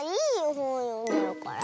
ほんよんでるから。